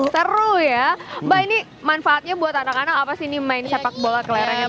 seru ya mbak ini manfaatnya buat anak anak apa sih ini main sepak bola kelerengan